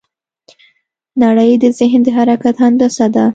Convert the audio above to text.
نړۍ د ذهن د حرکت هندسه ده.